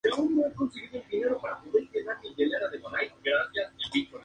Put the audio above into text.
Uno de estos navíos, era el "Scharnhorst".